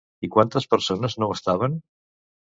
I quantes persones no ho estaven?